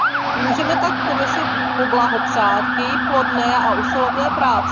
Můžeme tak Komisi poblahopřát k její plodné a usilovné práci.